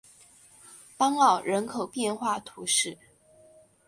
邦奥人口变化图示